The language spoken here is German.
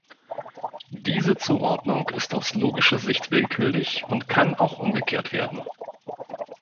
Diese Zuordnung ist aus logischer Sicht willkürlich und kann auch umgekehrt werden.